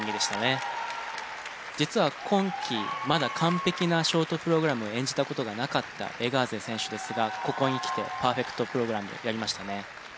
実は今季まだ完璧なショートプログラムを演じた事がなかったエガーゼ選手ですがここにきてパーフェクトプログラムやりましたね。